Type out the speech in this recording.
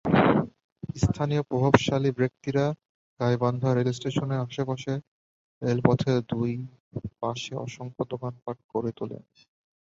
স্থানীয় প্রভাবশালী ব্যক্তিরা গাইবান্ধা রেলস্টেশনের আশপাশে রেলপথের দুই পাশে অসংখ্য দোকানপাট গড়ে তোলেন।